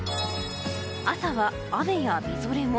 朝は雨やみぞれも。